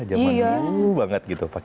zaman dulu banget gitu pakai kain